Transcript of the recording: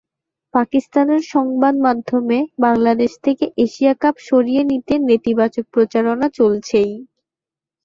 পাকিস্তানের সংবাদমাধ্যমে বাংলাদেশ থেকে এশিয়া কাপ সরিয়ে নিতে নেতিবাচক প্রচারণা চলছেই।